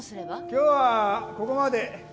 今日はここまで